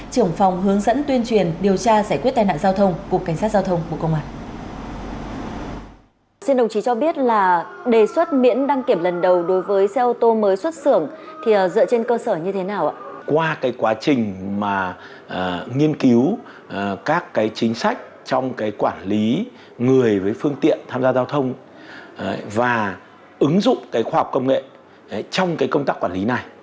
trưởng phòng hướng dẫn tuyên truyền điều tra giải quyết tai nạn giao thông của cảnh sát giao thông bộ công an